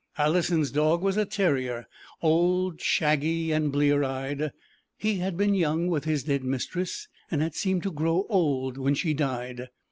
Alison's dog was a terrier, old, shaggy and blear eyed: he had been young with his dead mistress, and had seemed to grow old when she died.